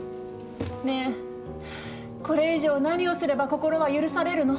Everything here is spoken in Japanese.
ねえこれ以上何をすれば心は許されるの？